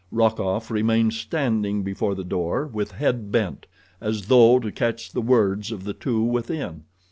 Rokoff remained standing before the door, with head bent, as though to catch the words of the two within.